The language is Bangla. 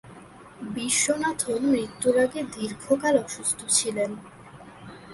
বিশ্বনাথন মৃত্যুর আগে দীর্ঘকাল অসুস্থ ছিলেন।